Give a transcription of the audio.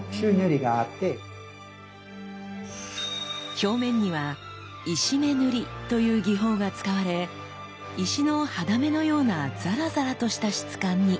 表面には石目塗という技法が使われ石の肌目のようなザラザラとした質感に。